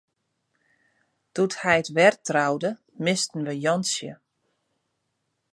Doe't heit wer troude, misten we Jantsje.